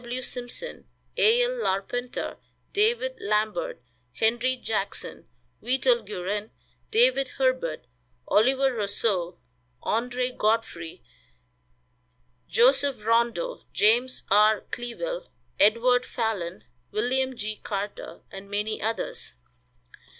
W. Simpson, A. L. Larpenteur, David Lambert, Henry Jackson, Vetal Guerin, David Herbert, Oliver Rosseau, Andre Godfrey, Joseph Rondo, James R. Clewell, Edward Phalen, William G. Carter, and many others.